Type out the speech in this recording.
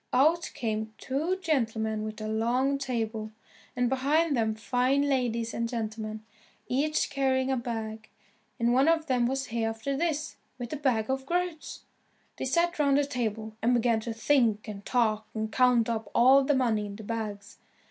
Out came two gentlemen with a long table, and behind them fine ladies and gentlemen, each carrying a bag, and one of them was Hereafterthis with the bag of groats. They sat round the table, and began to drink and talk and count up all the money in the bags.